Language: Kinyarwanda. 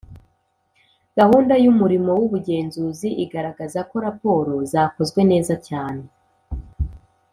Gahunda y umurimo w ubugenzuzi igaragaza ko raporo zakozwe neza cyane